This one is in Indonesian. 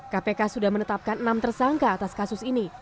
kpk sudah menetapkan enam tersangka atas kasus ini